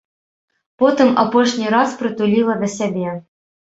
Потым апошні раз прытуліла да сябе.